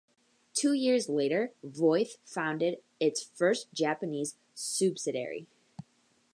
Two years later, Voith founded its first Japanese subsidiary.